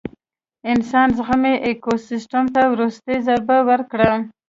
انسان زخمي ایکوسیستم ته وروستۍ ضربه ورکړه.